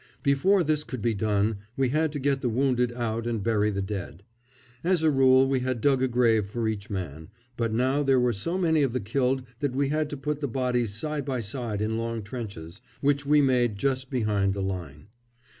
Before this could be done we had to get the wounded out and bury the dead. As a rule, we had dug a grave for each man, but now there were so many of the killed that we had to put the bodies side by side in long trenches, which we made just behind the line.